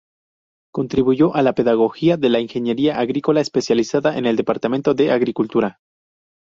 Contribuyó a la pedagogía de la ingeniería agrícola especializada en el Departamento de Agricultura.